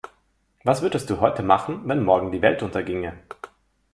Was würdest du heute machen, wenn morgen die Welt unterginge?